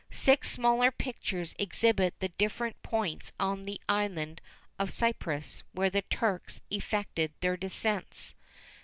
Six smaller pictures exhibit the different points of the island of Cyprus where the Turks effected their descents.